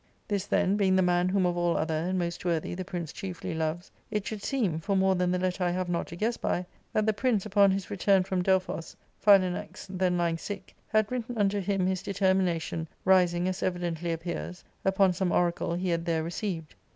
This, then, being the ' man, whom of aU other, and most worthy, the prince chiefly loves, it should seem (for more than the letter I have not to guess by) that the prince, upon his ^pturn from Delphos (Philanax then lying sick), had written unto him his deter mination, rising, as evidently appears, upon some oracle he^ had there received."